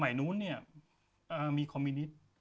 สมัยนู้นเนี่ยมีคอมมินิต